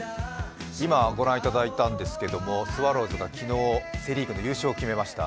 今ご覧いただいたんですけどスワローズがセ・リーグで優勝を決めました。